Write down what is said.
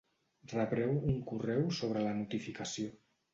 Rebreu un correu sobre la notificació.